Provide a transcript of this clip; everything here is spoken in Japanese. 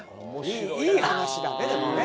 いい話だねでもね。